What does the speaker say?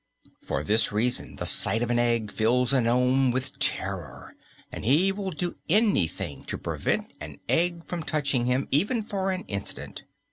For this reason the sight of an egg fills a nome with terror and he will do anything to prevent an egg from touching him, even for an instant.